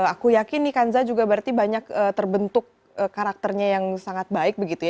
aku yakin nih kanza juga berarti banyak terbentuk karakternya yang sangat baik begitu ya